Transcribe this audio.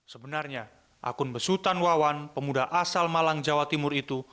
sebenarnya akun besutan wawan pemuda asal malang jawa timur itu